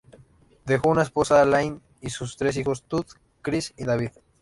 Dejó una esposa, Lynne, y sus tres hijos, Todd, Chris y David.